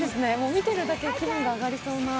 見てるだけで気分が上がりそうな。